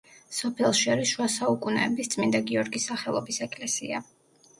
სოფელში არის შუა საუკუნეების წმინდა გიორგის სახელობის ეკლესია.